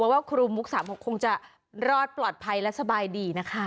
ว่าครูมุก๓๖คงจะรอดปลอดภัยและสบายดีนะคะ